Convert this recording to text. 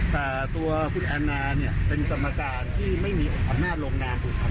แต่ตัวคุณแอนนาเนี่ยเป็นสมรรจารย์ที่ไม่มีอุทธันโรงนามอุทธัน